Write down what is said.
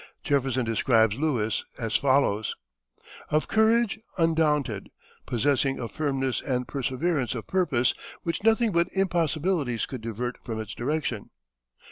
Jefferson describes Lewis as follows: "Of courage undaunted, possessing a firmness and perseverance of purpose which nothing but impossibilities could divert from its direction